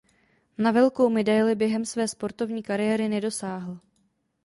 Na velkou medaili během své sportovní kariéry nedosáhl.